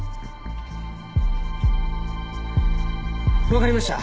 分かりました。